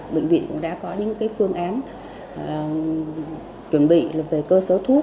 bệnh viện cũng đã có những phương án chuẩn bị về cơ số thuốc